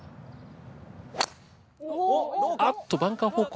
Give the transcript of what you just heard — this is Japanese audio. あっとバンカー方向。